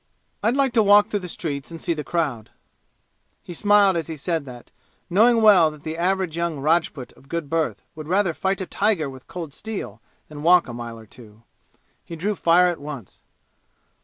"I'd like to walk through the streets and see the crowd." He smiled as he said that, knowing well that the average young Rajput of good birth would rather fight a tiger with cold steel than walk a mile or two. He drew fire at once.